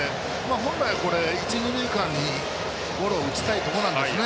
本来、一、二塁間にゴロを打ちたいところなんですね。